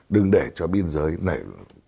đừng để cho biên giới này